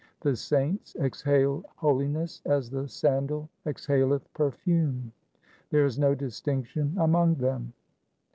The saints exhale holiness as the sandal exhaleth perfume. There is no distinction among them.